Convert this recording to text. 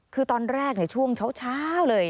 คือตอนแรกช่วงเช้าเลย